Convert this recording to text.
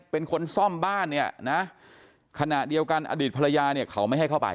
เป็นคนซ่อมบ้านขณะเดียวกันอดีตภรรยาเขาไม่ให้เข้าไป